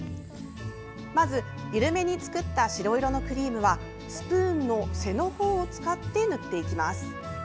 まず、緩めに作った白色のクリームはスプーンの背の方を使って塗っていきます。